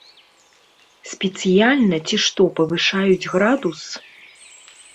Спецыяльна ці што павышаюць градус?